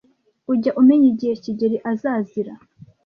Ujya umenya igihe kigeli azazira?